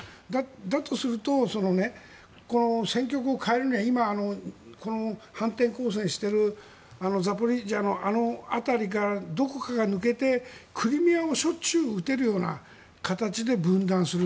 だとすると、戦局を変えるには今、反転攻勢しているザポリージャのあの辺りがどこかが抜けてクリミアをしょっちゅう撃てるような形で分断する。